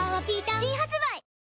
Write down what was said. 新発売